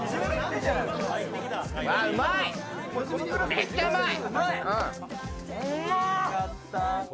めっちゃうまい！